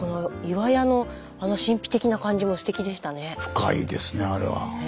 深いですねあれは。